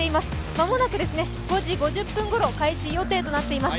間もなく５時５０分ごろ開始予定となっています。